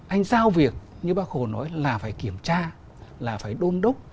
anh giao việc như bác hồ nói là phải kiểm tra là phải đôn đốc